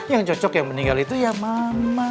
yang cocok yang meninggal itu ya mama